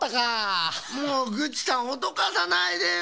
もうグッチさんおどかさないでよ。